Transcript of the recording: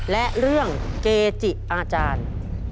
และเรื่องเกจิอาจารย์